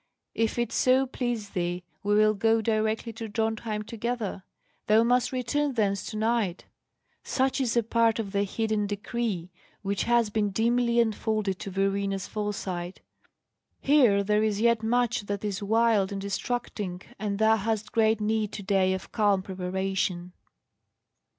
If it so please thee, we will go directly to Drontheim together. Thou must return thence to night. Such is a part of the hidden decree, which has been dimly unfolded to Verena's foresight. Here there is yet much that is wild and distracting, and thou hast great need to day of calm preparation."